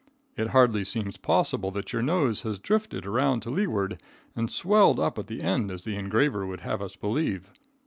It hardly seems possible that your nose has drifted around to leeward and swelled up at the end, as the engraver would have us believe.